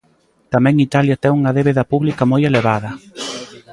Tamén Italia ten unha débeda pública moi elevada.